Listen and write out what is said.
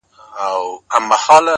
را سهید سوی؛ ساقي جانان دی؛